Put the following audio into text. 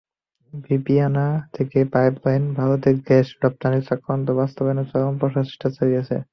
বিবিয়ানা থেকে পাইপলাইনে ভারতে গ্যাস রপ্তানির চক্রান্ত বাস্তবায়নে চরম প্রচেষ্টা চালিয়েছে।